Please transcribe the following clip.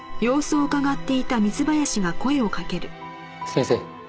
先生